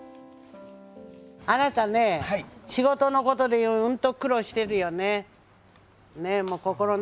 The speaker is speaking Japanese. あなたね、仕事のことで、うんと苦労してるよね。